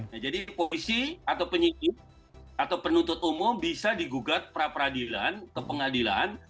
nah jadi polisi atau penyidik atau penuntut umum bisa digugat pra peradilan ke pengadilan